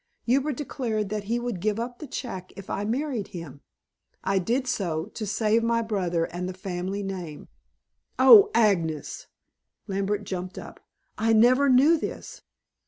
Hubert declared that he would give up the check if I married him. I did so, to save my brother and the family name." "Oh, Agnes!" Lambert jumped up. "I never knew this."